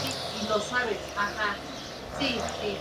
En el lado de babor, el proceso era más lento.